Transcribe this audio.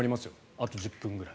あと１０分ぐらい。